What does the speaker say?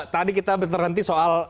tadi kita berhenti soal